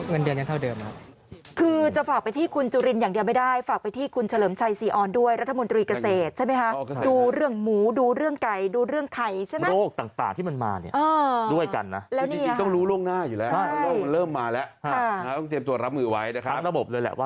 เงินเดือนยังเท่าเดิม